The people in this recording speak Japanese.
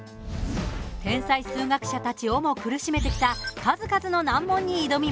天才数学者たちをも苦しめてきた数々の難問に挑みます。